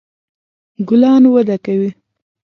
ګلان وده کوي